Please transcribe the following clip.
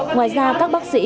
ngoài ra các bác sĩ